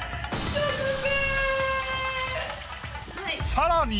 さらに。